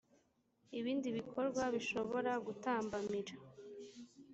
ibindi bikorwa bishobora gutambamira